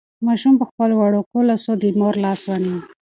ماشوم په خپلو وړوکو لاسو د مور لاس ونیو.